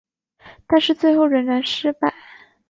但是最后仍然失败。